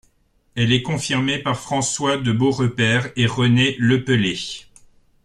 Elle est confirmée par François de Beaurepaire et René Lepelley.